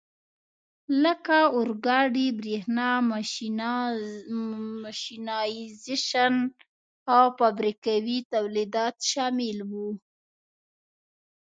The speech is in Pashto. لکه اورګاډي، برېښنا، ماشینایزېشن او فابریکوي تولیدات شامل وو.